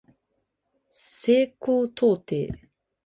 西高東低